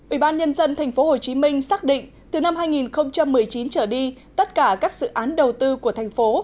ủy ban nhân dân tp hcm xác định từ năm hai nghìn một mươi chín trở đi tất cả các dự án đầu tư của thành phố